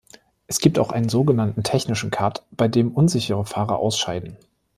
Es gibt auch einen sogenannten technischen Cut, bei dem unsichere Fahrer ausscheiden.